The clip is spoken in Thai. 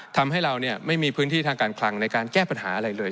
ทำให้เราไม่มีพื้นที่ทางการคลังในการแก้ปัญหาอะไรเลย